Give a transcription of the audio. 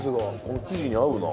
この生地に合うな。